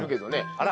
あら。